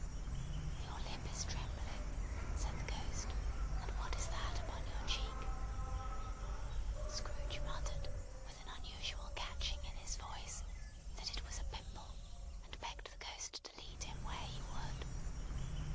"Your lip is trembling," said the Ghost. "And what is that upon your cheek?" Scrooge muttered, with an unusual catching in his voice, that it was a pimple; and begged the Ghost to lead him where he would.